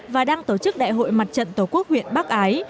và đang tổ chức đại hội mặt trận tổ quốc huyện bắc ái